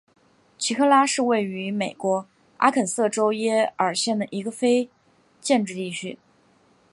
奇克拉是位于美国阿肯色州耶尔县的一个非建制地区。